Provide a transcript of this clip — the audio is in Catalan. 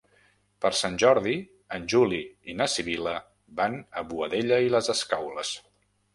Per Sant Jordi en Juli i na Sibil·la van a Boadella i les Escaules.